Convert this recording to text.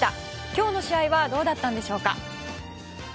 今日の試合はどうだったんでしょうか。